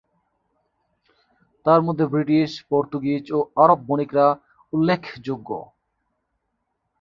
তারমধ্যে British, Portuguese ও আরব বণিকরা উল্লেখযোগ্য।